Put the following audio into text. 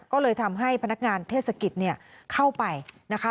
ก็เลยทำให้พนักงานเทศกิจเข้าไปนะคะ